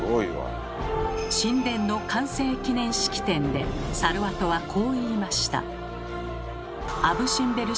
神殿の完成記念式典でサルワトはこう言いました。